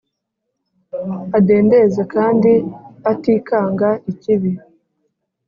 , Adendeze kandi atikanga ikibi”